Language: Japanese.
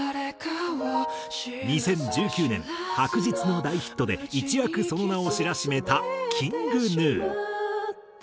２０１９年『白日』の大ヒットで一躍その名を知らしめたＫｉｎｇＧｎｕ。